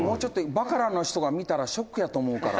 「バカラの人が見たらショックやと思うから」